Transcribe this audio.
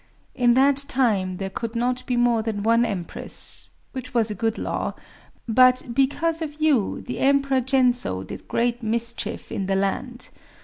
In that time there could not be more than one Empress—which was a good law; but, because of you, the Emperor Gensō did great mischief in the land.